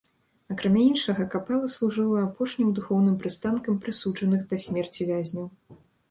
Акрамя іншага, капэла служыла апошнім духоўным прыстанкам прысуджаных да смерці вязняў.